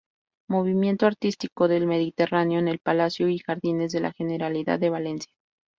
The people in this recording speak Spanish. Movimiento Artístico del Mediterráneo" en el Palacio y Jardines de la Generalidad de Valencia.